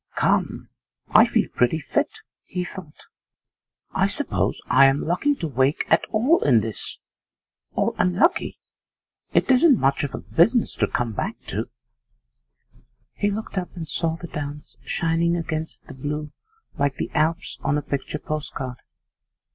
'Come, I feel pretty fit,' he thought. 'I suppose I am lucky to wake at all in this. Or unlucky it isn't much of a business to come back to.' He looked up and saw the downs shining against the blue like the Alps on a picture postcard.